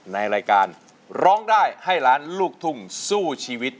ในรายการร้องได้ให้ล้านลูกทุ่งสู้ชีวิต